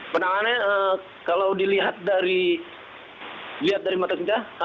penanganannya kalau dilihat dari mata singka